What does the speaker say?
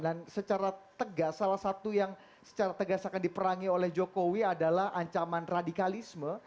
dan secara tegas salah satu yang secara tegas akan diperangi oleh jokowi adalah ancaman radikalisme